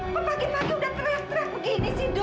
kok pagi pagi udah teriak teriak begini sih dok